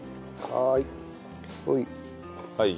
はい。